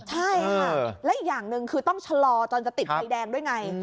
ใช่ค่ะและอีกอย่างหนึ่งคือต้องชะลอตอนจะติดไฟแดงด้วยไง